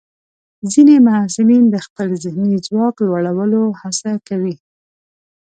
ځینې محصلین د خپل ذهني ځواک لوړولو هڅه کوي.